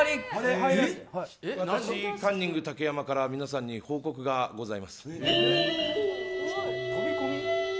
私、カンニング竹山から皆様に報告がございます。